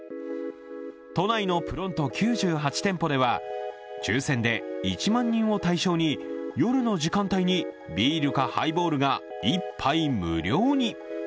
都内のプロント９８店舗では抽選で１万人を対象に夜の時間帯にビールかハイボールが１杯無料に。